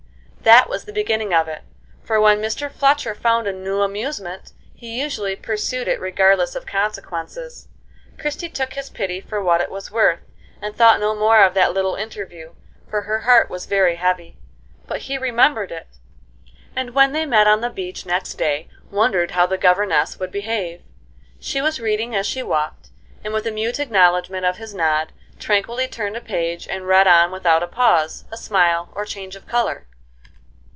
That was the beginning of it; for when Mr. Fletcher found a new amusement, he usually pursued it regardless of consequences. Christie took his pity for what it was worth, and thought no more of that little interview, for her heart was very heavy. But he remembered it, and, when they met on the beach next day, wondered how the governess would behave. She was reading as she walked, and, with a mute acknowledgment of his nod, tranquilly turned a page and read on without a pause, a smile, or change of color.